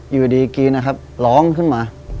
อยู่ดีกรีนนะครับร้องขึ้นมา